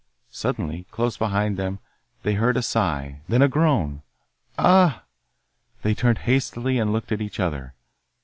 Suddenly, close behind them, they heard a sigh, then a groan. 'Ah!' They turned hastily and looked at each other.